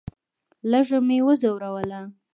لږه مې وځوروله.